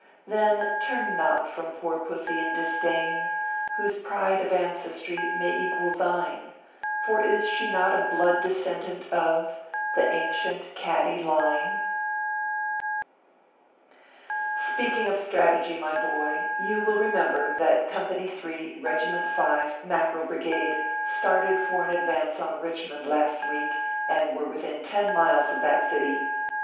Then turn not from poor Pussy in disdain, Whose pride of ancestry may equal thine; For is she not a blood descendaut of The ancient Catty line? 336 ORPHEUS C. KERB PAPERS. Speaking of strategy, my boy, you will remember that Company 3, Regiment 5, Mackerel Brigade, started for an advance on Richmond last week, and were within ten miles of that city.